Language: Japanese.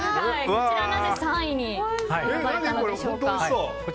こちらは、なぜ３位に選ばれたのでしょうか。